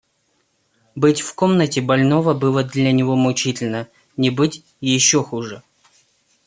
Быть в комнате больного было для него мучительно, не быть еще хуже.